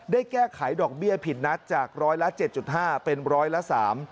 ได้แก้ไขดอกเบี้ยผิดนัดจากร้อยละ๗๕เป็นร้อยละ๓